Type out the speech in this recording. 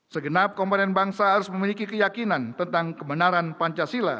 segenap komponen bangsa harus memiliki keyakinan tentang kebenaran pancasila